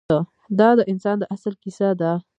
دا د انسان د اصل کیسه ده.